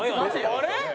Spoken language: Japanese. あれ？